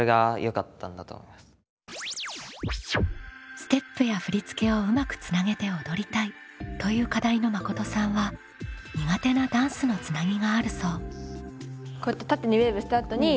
「ステップや振り付けをうまくつなげて踊りたい」という課題のまことさんは苦手なダンスのつなぎがあるそう。